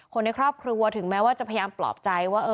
คนในครอบครูถึงแม้พยายามปลอบใจกับว่า